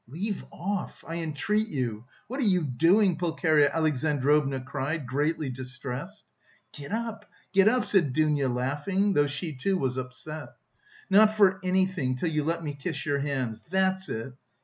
"Leave off, I entreat you, what are you doing?" Pulcheria Alexandrovna cried, greatly distressed. "Get up, get up!" said Dounia laughing, though she, too, was upset. "Not for anything till you let me kiss your hands! That's it!